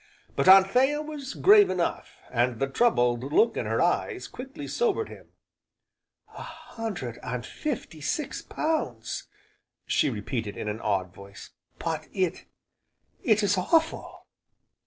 But Anthea was grave enough, and the troubled look in her eyes quickly sobered him. "A hundred and fifty six pounds!" she repeated in an awed voice, "but it it is awful!"